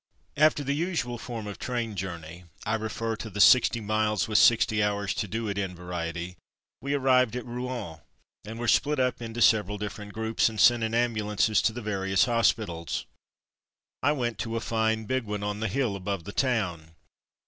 After the usual form of train journey (I refer to the sixty miles with sixty hours to do it in variety) we arrived at Rouen, and were split up into several different groups and sent in ambulances to the various hospitals. I went to a fine big one on the hill above the town.